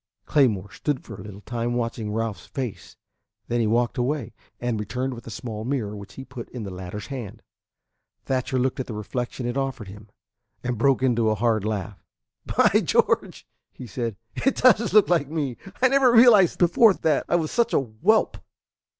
Claymore stood for a little time watching Ralph's face; then he walked away, and returned with a small mirror which he put in the latter's hand. Thatcher looked at the reflection it offered him, and broke into a hard laugh. "By George!" he said; "it does look like me. I never realized before that I was such a whelp."